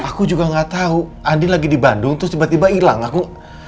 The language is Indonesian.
aku juga gak tahu andi lagi di bandung terus tiba tiba hilang aku